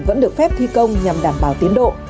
vẫn được phép thi công nhằm đảm bảo tiến độ